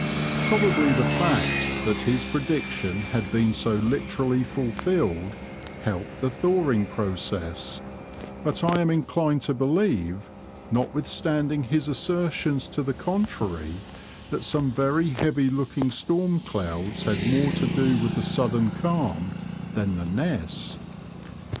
Probably the fact that his prediction had been so literally fulfilled helped the thawing process, but I am inclined to believe, notwithstanding: his assertions to the contrary, that some very heavy looking storm clouds had more to do with the sudden calm than the Ness.